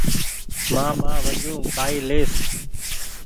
مآن ٻآ وجون ڪآئي ليئس